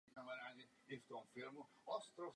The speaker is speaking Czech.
Augusta.